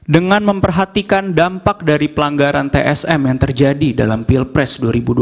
dengan memperhatikan dampak dari pelanggaran tsm yang terjadi dalam pilpres dua ribu dua puluh